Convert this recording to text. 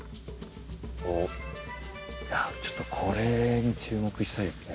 おっいやちょっとこれに注目したいですね